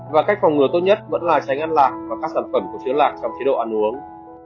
và cách phòng ngừa tốt nhất vẫn là tránh ăn lạc và các sản phẩm của chứa lạc trong chế độ ăn uống